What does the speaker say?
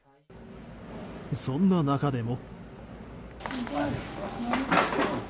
そんな中でも。